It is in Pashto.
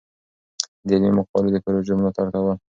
د علمي مقالو د پروژو ملاتړ کول.